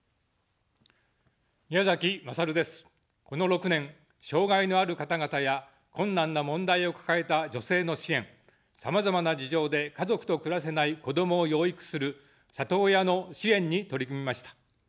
この６年、障がいのある方々や困難な問題を抱えた女性の支援、さまざまな事情で家族と暮らせない子どもを養育する里親の支援に取り組みました。